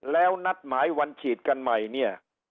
แล้วนัดหมายวันฉีดกันใหม่เนี่ย